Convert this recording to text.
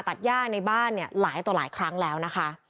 ตัดย่าในบ้านหลายหลายครั้งนะคะ